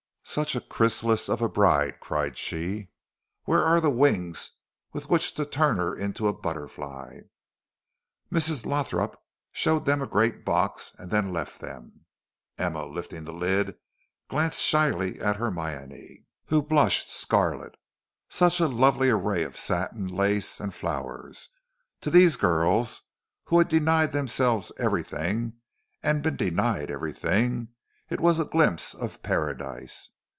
"Such a chrysalis of a bride," cried she. "Where are the wings with which to turn her into a butterfly?" Mrs. Lothrop showed them a great box, and then left them. Emma, lifting the lid, glanced shyly at Hermione, who blushed scarlet. Such a lovely array of satin, lace, and flowers! To these girls, who had denied themselves everything and been denied everything, it was a glimpse of Paradise.